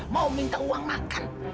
mau minta uang makan